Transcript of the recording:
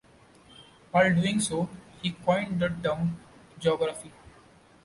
While doing so, he coined the term "geography".